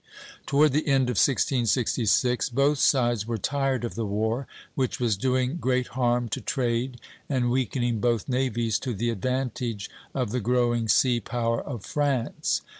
Toward the end of 1666 both sides were tired of the war, which was doing great harm to trade, and weakening both navies to the advantage of the growing sea power of France.